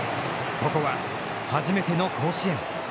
ここは、初めての甲子園。